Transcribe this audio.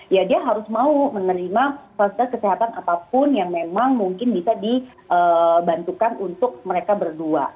ya dia harus mau menerima fasilitas kesehatan apapun yang memang mungkin bisa dibantukan untuk mereka berdua